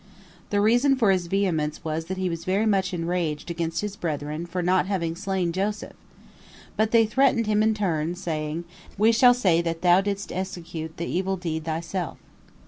The reason for his vehemence was that he was very much enraged against his brethren for not having slain Joseph. But they threatened him in turn, saying, "If thou wilt not give up the coat, we shall say that thou didst execute the evil deed thyself."